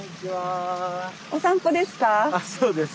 お散歩ですか？